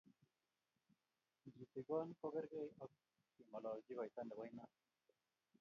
ngetigon ko kergei ak kengololchi koita ne bo inat